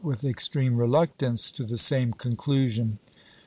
with extreme reluctance to the same conclusion.